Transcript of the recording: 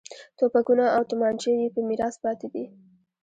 توپکونه او تومانچې یې په میراث پاتې دي.